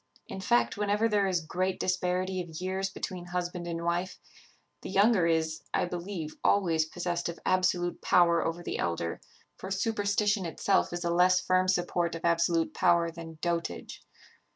In fact, whenever there is great disparity of years between husband and wife, the younger is, I believe, always possessed of absolute power over the elder; for superstition itself is a less firm support of absolute power than dotage.